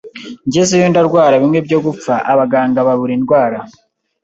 ngezeyo ndarwara bimwe byo gupfa abaganga babura indwara